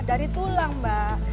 dari tulang mbak